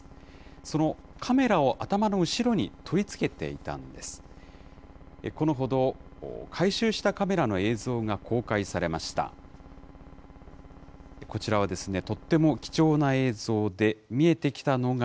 そのカメラを頭の後ろに取り付けていたんです。